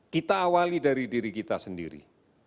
kita awali dari diri kita sendiri